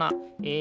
え